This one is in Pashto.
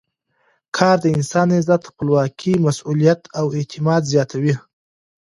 کار د انسان عزت، خپلواکي، مسؤلیت او اعتماد زیاتوي.